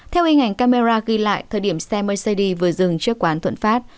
theo hình ảnh camera ghi lại thời điểm xe mercedes vừa dừng trước quán thuận phát